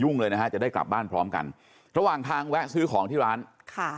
เลยนะฮะจะได้กลับบ้านพร้อมกันระหว่างทางแวะซื้อของที่ร้านค่ะ